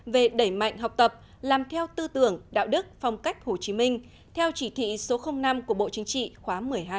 về đẩy mạnh học tập làm theo tư tưởng đạo đức phong cách hồ chí minh theo chỉ thị số năm của bộ chính trị khóa một mươi hai